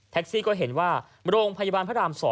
ซี่ก็เห็นว่าโรงพยาบาลพระราม๒